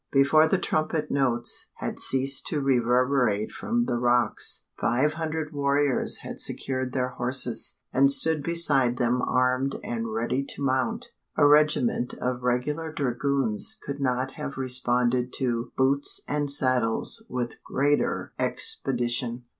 Before the trumpet notes had ceased to reverberate from the rocks, five hundred warriors had secured their horses, and stood beside them armed and ready to mount. A regiment of regular dragoons could not have responded to "Boots and saddles" with greater expedition!